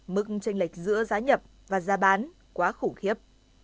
mức tranh lệch giữa giá nhập và giá bán quá khủng khiếp